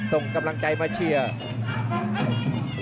ส่งกำลังใจมาเชียร์